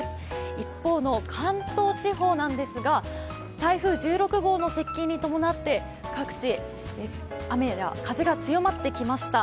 一方の関東地方なんですが台風１６号の接近に伴って各地雨や風が強まってきました。